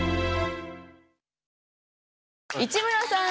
市村さん！